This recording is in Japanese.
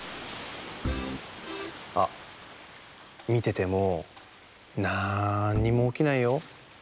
あっみててもなんにもおきないよ。